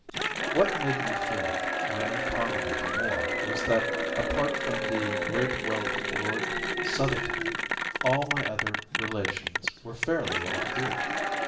What made me feel my own poverty the more was that, apart from the great wealth of Lord Southerton, all my other relations were fairly well to do.